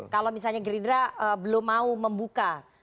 kalau misalnya gerindra belum mau membuka